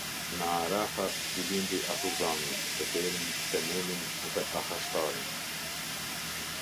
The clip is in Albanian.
Naaraha i lindi Ahuzamin, Heferin, Tememin dhe Ahashtarin.